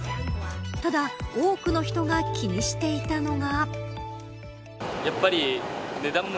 ただ、多くの人が気にしていたのが。